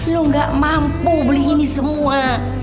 lu gak mampu beli ini semua